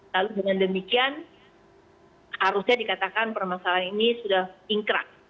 lalu dengan demikian harusnya dikatakan permasalahan ini sudah ingkrak